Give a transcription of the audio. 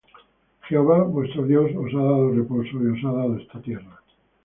Jehová vuestro Dios os ha dado reposo, y os ha dado esta tierra.